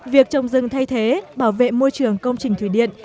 việc trồng rừng thay thế bảo vệ môi trường công trình thủy điện